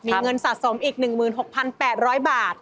มีเงินสะสมอีก๑๖๘๐๐บาท